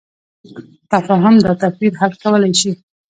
تفاهم دا توپیر حل کولی شي.